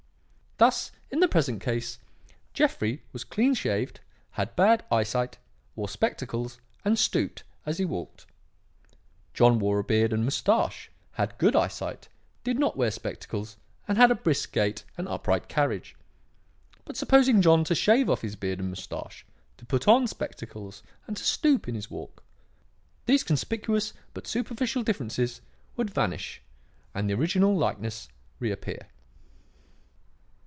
Thus, in the present case, Jeffrey was clean shaved, had bad eyesight, wore spectacles and stooped as he walked; John wore a beard and moustache, had good eyesight, did not wear spectacles and had a brisk gait and upright carriage. But supposing John to shave off his beard and moustache, to put on spectacles and to stoop in his walk, these conspicuous but superficial differences would vanish and the original likeness reappear.